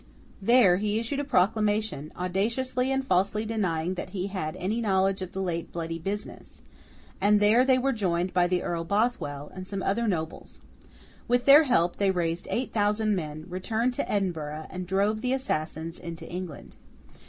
There, he issued a proclamation, audaciously and falsely denying that he had any knowledge of the late bloody business; and there they were joined by the Earl Bothwell and some other nobles. With their help, they raised eight thousand men; returned to Edinburgh, and drove the assassins into England.